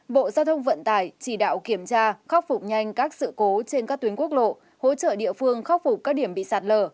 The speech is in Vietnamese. bộ giao thông vận tải chỉ đạo kiểm tra khắc phục nhanh các sự cố trên các tuyến quốc lộ hỗ trợ địa phương khắc phục các điểm bị sạt lở